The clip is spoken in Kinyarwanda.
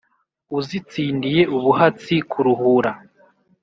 uzitsindiye ubuhatsi karuhura